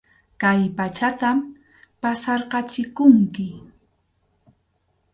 Kay pachata pasarqachikunki.